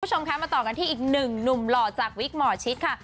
คุณผู้ชมคะมาต่อกันที่อีกหนึ่งหนุ่มหล่อจากวิกหมอชิดค่ะ